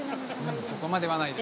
そこまではないです。